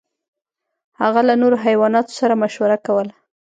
هغه له نورو حیواناتو سره مشوره کوله.